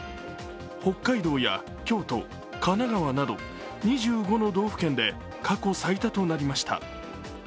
北海道や京都、神奈川など２５の道府県で過去最多となりました。